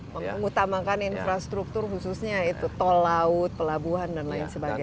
mengutamakan infrastruktur khususnya itu tol laut pelabuhan dan lain sebagainya